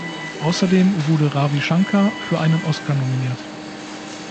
Außerdem wurde Ravi Shankar für einen Oscar nominiert.